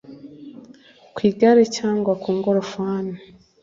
ku igare cyangwa ku ngorofani